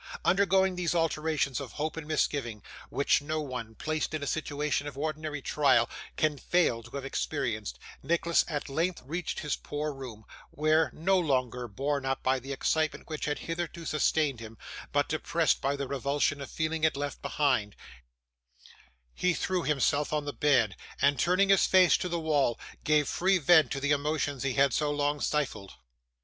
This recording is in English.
Undergoing these alternations of hope and misgiving, which no one, placed in a situation of ordinary trial, can fail to have experienced, Nicholas at length reached his poor room, where, no longer borne up by the excitement which had hitherto sustained him, but depressed by the revulsion of feeling it left behind, he threw himself on the bed, and turning his face to the wall, gave free vent to the emotions he had so long stifled.